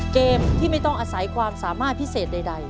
เกมที่ไม่ต้องอาศัยความสามารถพิเศษใด